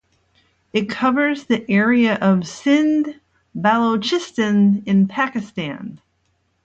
It covers the area of Sindh Balochistan in Pakistan.